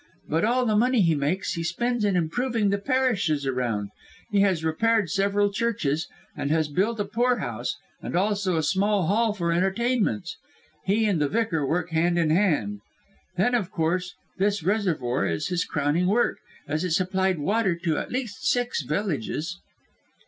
But all the money he makes he spends in improving the parishes around. He has repaired several churches, and has built a poorhouse, and also a small hall for entertainments. He and the vicar work hand in hand. Then, of course, this reservoir is his crowning work, as it supplied water to at least six villages."